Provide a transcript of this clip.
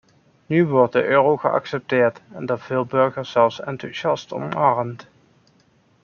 Nu wordt de euro geaccepteerd en door veel burgers zelfs enthousiast omarmd.